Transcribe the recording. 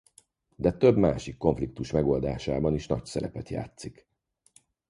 De több másik konfliktus megoldásában is nagy szerepet játszik.